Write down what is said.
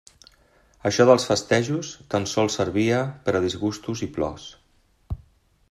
Això dels festejos tan sols servia per a disgustos i plors.